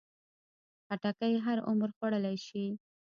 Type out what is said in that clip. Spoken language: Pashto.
خټکی هر عمر خوړلی شي.